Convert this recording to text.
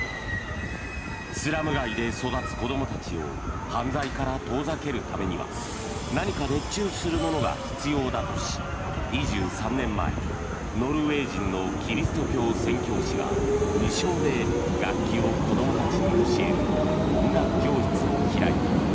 スラム街で育つ子どもたちを犯罪から遠ざけるためには何か熱中するものが必要だとし２３年前、ノルウェー人のキリスト教宣教師が無償で楽器を子どもたちに教える音楽教室を開いた。